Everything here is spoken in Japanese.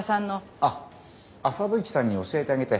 あっ麻吹さんに教えてあげて。